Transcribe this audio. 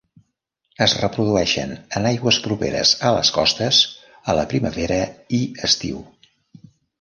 Es reprodueixen en aigües properes a les costes a la primavera i estiu.